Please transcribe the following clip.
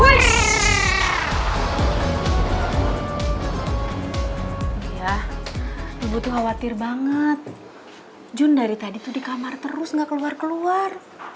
ibu butuh khawatir banget jun dari tadi tuh di kamar terus nggak keluar keluar